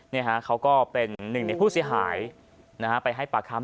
เขาก็เป็นหนึ่งในผู้เสียหายนะฮะไปให้ปากคำ